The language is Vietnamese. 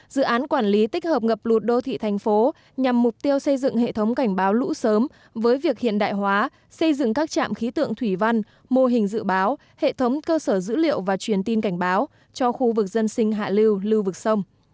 dự án quản lý tích hợp ngập lụt đô thị thành phố nhằm mục tiêu xây dựng hệ thống cảnh báo lũ sớm với việc hiện đại hóa xây dựng các trạm khí tượng thủy văn mô hình dự báo hệ thống cơ sở dữ liệu và truyền tin cảnh báo cho khu vực dân sinh hạ lưu lưu vực sông